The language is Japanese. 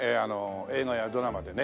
映画やドラマでね